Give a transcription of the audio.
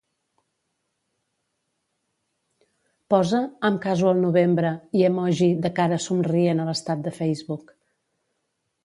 Posa "em caso al novembre" i emoji de cara somrient a l'estat de Facebook.